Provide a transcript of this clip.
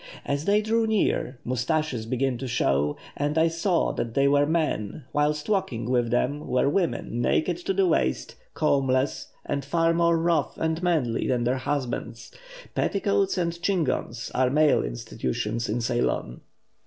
As they drew near, moustaches began to show, and I saw that they were men, whilst walking with them were women naked to the waist, combless, and far more rough and 'manly' than their husbands. Petticoats and chignons are male institutions in Ceylon."